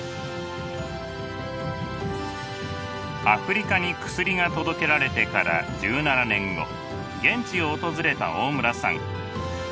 アフリカに薬が届けられてから１７年後現地を訪れた大村さん。